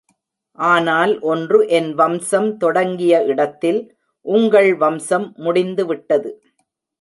ஆனால் ஒன்று என் வம்சம் தொடங்கிய இடத்தில், உங்கள் வம்சம் முடிந்து விட்டது.